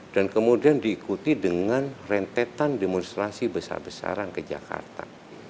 dan kemudian diikuti dengan rentetan demonstrasi besar besaran ke jakarta